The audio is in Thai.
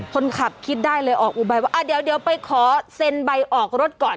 คนขับคิดได้เลยออกอุบายว่าเดี๋ยวไปขอเซ็นใบออกรถก่อน